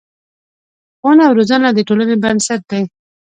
ښوونه او روزنه د ټولنې بنسټ دی.